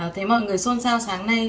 thấy mọi người xôn xao sáng nay